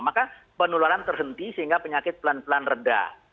maka penularan terhenti sehingga penyakit pelan pelan reda